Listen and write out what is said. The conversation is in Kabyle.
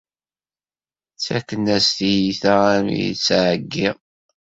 Ttaken-as tiyita armi yettɛeyyiḍ.